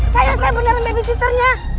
saya beneran babysitternya